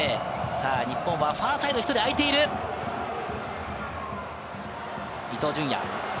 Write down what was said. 日本はファーサイド、１人空いている、伊東純也。